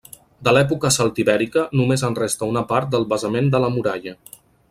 De l'època celtibèrica només en resta una part del basament de la muralla.